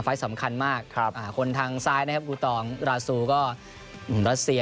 สำคัญมากคนทางซ้ายนะครับอูตองราซูก็รัสเซีย